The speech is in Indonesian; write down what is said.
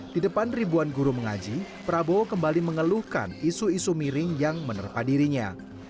di depan ribuan guru mengaji prabowo kembali mengeluhkan isu isu miring yang menerpa dirinya